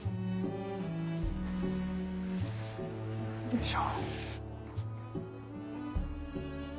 よいしょ。